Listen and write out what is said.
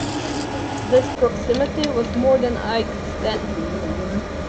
This proximity was more than I could stand.